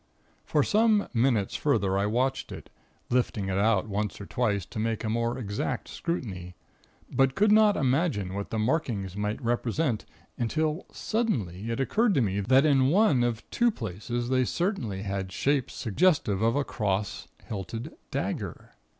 "For some minutes further I watched it, lifting it out once or twice to make a more exact scrutiny, but could not imagine what the markings might represent, until suddenly it occurred to me that in one of two places they certainly had shapes suggestive of a cross hilted dagger.